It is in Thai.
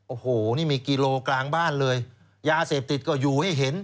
โอ้โหนี่มีกิโลกลางบ้านเลยยาเสพติดก็อยู่ให้เห็น